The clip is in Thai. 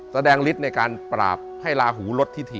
ฤทธิ์ในการปราบให้ลาหูลดพิธี